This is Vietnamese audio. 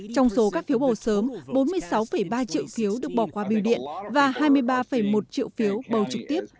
trong số các phiếu bầu sớm bốn mươi sáu ba triệu phiếu được bỏ qua biểu điện và hai mươi ba một triệu phiếu bầu trực tiếp